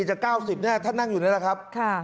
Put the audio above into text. จาก๙๐เนี่ยท่านนั่งอยู่นี่แหละครับ